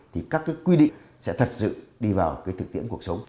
thì các cái quy định sẽ thật sự đi vào cái thực tiễn cuộc sống